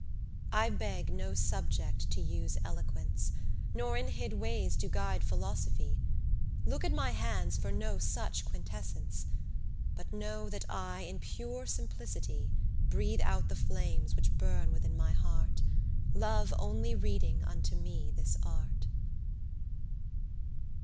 I beg no subject to use eloquence, Nor in hid ways do guide Philosophy: Look at my hands for no such quintessence; But know that I in pure simplicity Breathe out the flames which burn within my heart Love only reading unto me this art.